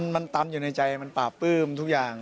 มันตำอยู่ในใจมันปราบปลื้มทุกอย่าง